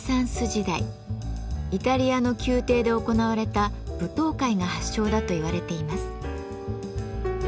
イタリアの宮廷で行われた舞踏会が発祥だといわれています。